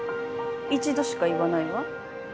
一度しか言わないわ。